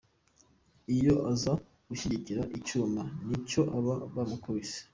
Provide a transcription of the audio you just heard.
Iyo aza gushyikira icyuma ni cyo aba yamukubise.